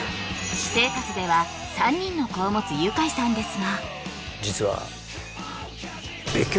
私生活では３人の子を持つユカイさんですがえっ？